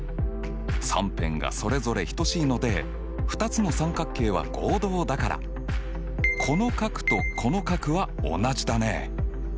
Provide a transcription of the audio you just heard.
３辺がそれぞれ等しいので２つの三角形は合同だからこの角とこの角は同じだね。